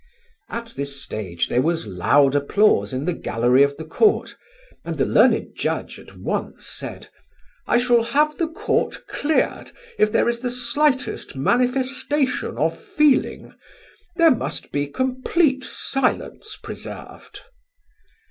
At this stage there was loud applause in the gallery of the court, and the learned Judge at once said: "I shall have the Court cleared if there is the slightest manifestation of feeling. There must be complete silence preserved."